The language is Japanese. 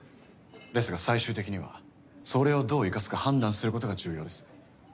ですが最終的にはそれをどう生かすか判断することが重要です。